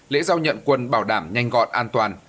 lễ giao nhận quân bảo đảm nhanh gọn an toàn